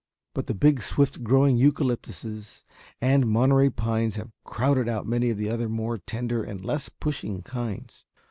But the big, swift growing eucalyptuses and Monterey pines have crowded out many of the other more tender and less pushing kinds.